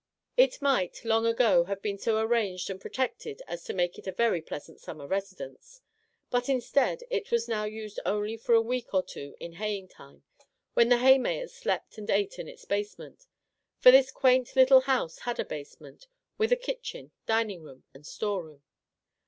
It might, long 60 Our Little Canadian Cousin ago, have been so arranged and protected as to make it a very pleasant summer residence, but, instead^ it was now used only for a week or two in haying time, when the haymakers slept and ate in its basement, — for this quaint little house had a basement, with a kitchen, dining room, and storeroom.